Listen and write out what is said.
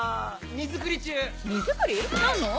荷造り？何の？